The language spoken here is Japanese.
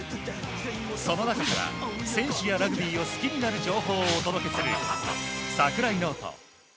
その中から選手やラグビーを好きになる情報をお届けする櫻井ノート。